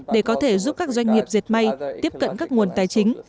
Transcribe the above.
để có thể giúp các doanh nghiệp dệt may tiếp cận các nguồn tài chính